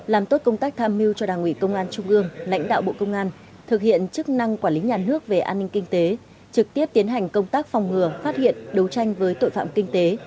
làm tốt công tác tham mưu cho đảng ủy công an trung ương lãnh đạo bộ công an thực hiện chức năng quản lý nhà nước về an ninh kinh tế trực tiếp tiến hành công tác phòng ngừa phát hiện đấu tranh với tội phạm kinh tế